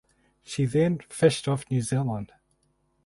She then fished off New Zealand.